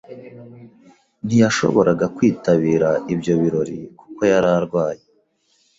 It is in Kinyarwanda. Ntiyashoboraga kwitabira ibyo birori kuko yari arwaye.